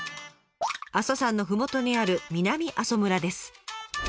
阿蘇山のふもとにある南阿蘇村です。